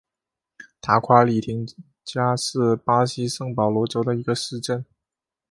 塔夸里廷加是巴西圣保罗州的一个市镇。